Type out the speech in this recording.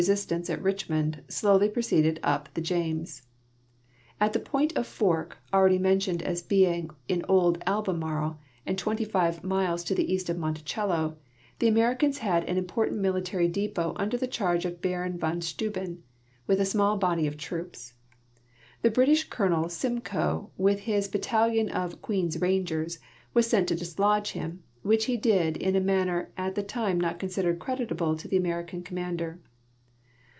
sist ance at Richmond slowly proceeded up tiie James. At the Point of Fork, already mentioned as being in old Albemarle and 25 ALBEMARLE IN REVOLUTIONARY DA YS 277 miles to the east of Monticello, the Americans liad an important military depot under the charge of Baron von Steuben, with a small bod}' of troops. The British Colonel Simcoe, with his bat talion of " Queen's Rangers," was sent to dislodge him, which he did in a manner at the time not considered creditable to the American commander.